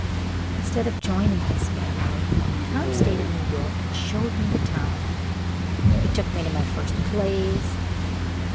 Instead of joining his family, Tom stayed in New York and showed me the town. He took me to my first plays.